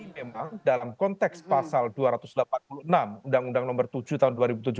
memang dalam konteks pasal dua ratus delapan puluh enam undang undang nomor tujuh tahun dua ribu tujuh belas